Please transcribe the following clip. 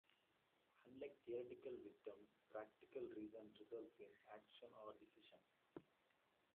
Unlike theoretical wisdom, practical reason results in action or decision.